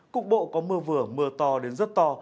cục bộ có mưa vừa mưa to đến rất to